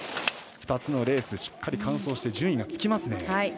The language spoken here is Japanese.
２つのレース、しっかり完走して順位がつきますね。